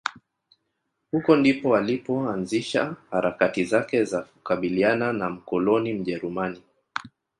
huko ndipo alipo anzisha harakati zake za kukabiliana na mkoloni Mjerumani